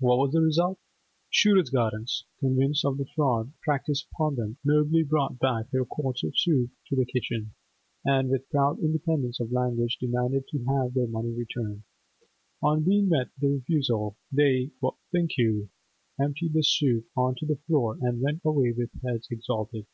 What was the result? Shooter's Gardens, convinced of the fraud practised upon them, nobly brought back their quarts of soup to the kitchen, and with proud independence of language demanded to have their money returned. On being met with a refusal, they—what think you?—emptied the soup on to the floor, and went away with heads exalted.